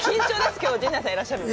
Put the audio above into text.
きょうは陣内さんいらっしゃるので。